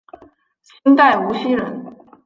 清代无锡人。